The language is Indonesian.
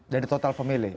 dari total pemilih